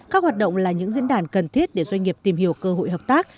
các hoạt động là những diễn đàn cần thiết để doanh nghiệp tìm hiểu cơ hội hợp tác